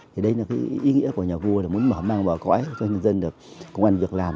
thì đấy là ý nghĩa của nhà vua là muốn mở mang bỏ cõi cho nhân dân được công an việc làm